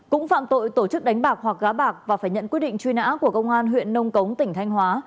cũng phạm tội tổ chức đánh bạc hoặc gá bạc và phải nhận quyết định truy nã của công an huyện nông cống tỉnh thanh hóa